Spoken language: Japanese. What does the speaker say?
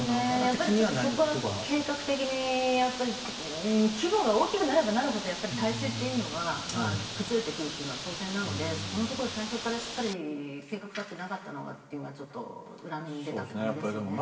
やっぱりそこは計画的に規模が大きくなればなるほど体制というのは崩れてくるというのは当然なのでそこのところ、最初からしっかり計画立ててなかったのがちょっと裏目に出たという感じですよね。